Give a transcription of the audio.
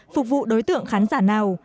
phục vụ đối tượng khán giả nào